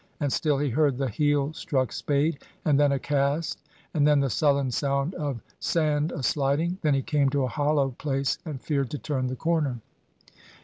And still he heard the heel struck spade, and then a cast, and then the sullen sound of sand a sliding. Then he came to a hollow place, and feared to turn the corner.